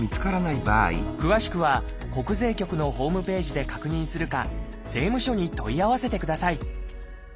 詳しくは国税局のホームページで確認するか税務署に問い合わせてください